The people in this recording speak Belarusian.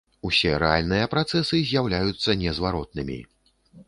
Усе рэальныя працэсы з'яўляюцца незваротнымі.